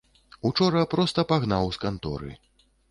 Учора проста пагнаў з канторы.